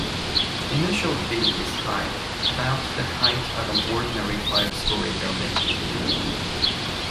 The initial B is high, about the height of an ordinary five-story building.